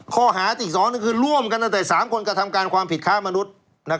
ข้อหาอีก๒ก็คือร่วมกันตั้งแต่๓คนกระทำการความผิดค้ามนุษย์